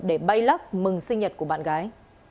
để bay lắc mừng sinh nhật của bạn gái